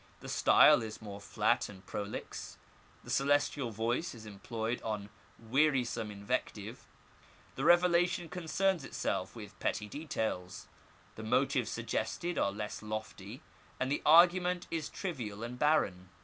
The style is more flat and prolix, the celestial voice is employed on wearisome invective, the revelation concerns itself with petty details, the motives suggested are less lofty, and the argument is trivial and barren.